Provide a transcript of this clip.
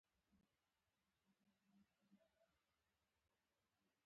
په احمد باندې عمر تېر شوی شا یې ټیټه شوې ده.